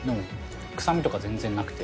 臭みとか全然なくて。